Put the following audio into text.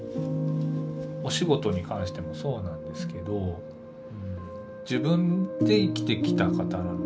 お仕事に関してもそうなんですけど自分で生きてきた方なので。